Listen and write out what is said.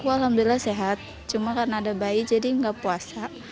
alhamdulillah sehat cuma karena ada bayi jadi nggak puasa